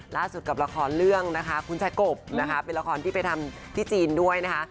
ล่าสุดกับละครเรื่องนะคะคุณชายกบนะคะเป็นละครที่ไปทำที่จีนด้วยนะคะ